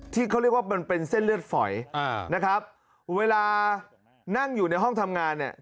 ที่เขาเรียกว่ามันเป็นเส้นเลือดฝอยอ่านะครับเวลานั่งอยู่ในห้องทำงานเนี่ย